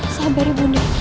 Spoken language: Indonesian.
sabar ibu unda